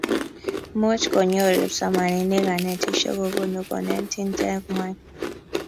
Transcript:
moch konyoru kipsomaninik kanetishe kobunuu konetinte ngwany